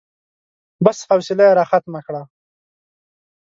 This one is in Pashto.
بس، حوصله يې راختمه کړه.